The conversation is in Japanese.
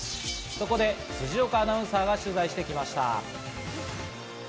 そこで辻岡アナウンサーが取材してきました。